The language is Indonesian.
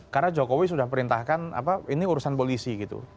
karena jokowi sudah perintahkan ini urusan polisi gitu